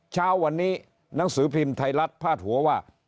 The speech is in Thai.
เช้าวันนี้หนังสือพิมพ์ไทยรัฐพาดหัวว่า